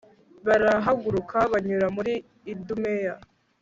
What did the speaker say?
barahaguruka banyura muri idumeya